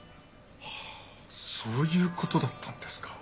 ハァそういうことだったんですか。